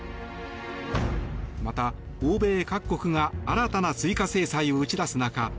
また、欧米各国が新たな追加制裁を打ち出す中